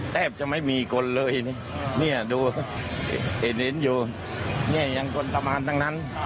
แทบจะไม่มีคนเลยนะเนี่ยดูเห็นอยู่เนี่ยยังคนประมาณทั้งนั้น